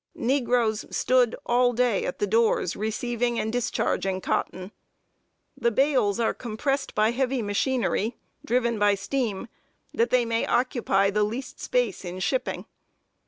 Negroes stood all day at the doors receiving and discharging cotton. The bales are compressed by heavy machinery, driven by steam, that they may occupy the least space in shipping.